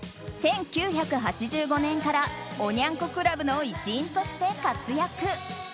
１９８５年からおニャン子クラブの一員として活躍。